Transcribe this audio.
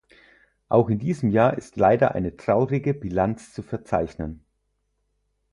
Auch in diesem Jahr ist leider eine traurige Bilanz zu verzeichnen.